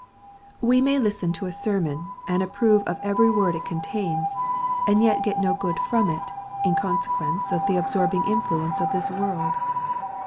We may listen to a sermon, and approve of every word it contains, and yet get no good from it, in conse quence of the absorbing influence of this world.